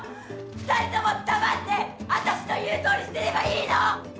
２人とも黙って私の言う通りにしてればいいの！